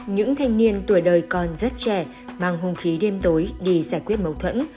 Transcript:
những thanh niên tuổi đời còn rất trẻ mang hung khí đêm tối đi giải quyết mâu thuẫn